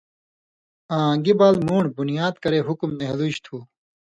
آں گی بال مُون٘ڈ (بُنیاد) کرے حُکُم نھیلُژ تھُو